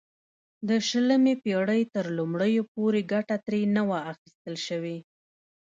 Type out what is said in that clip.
د شلمې پېړۍ تر لومړیو پورې ګټه ترې نه وه اخیستل شوې.